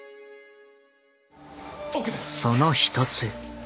その一つ。